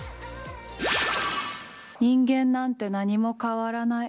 人間なんて何も変わらない。